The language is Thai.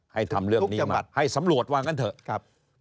ให้ทำเรื่องนี้มาให้สำรวจวางกันเถอะ